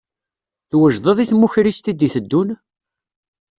Twejdeḍ i tmukrist i d-iteddun?